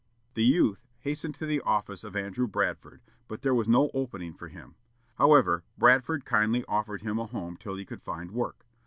The youth hastened to the office of Andrew Bradford, but there was no opening for him. However, Bradford kindly offered him a home till he could find work.